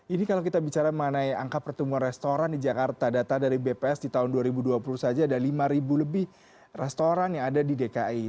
ini kalau kita bicara mengenai angka pertumbuhan restoran di jakarta data dari bps di tahun dua ribu dua puluh saja ada lima lebih restoran yang ada di dki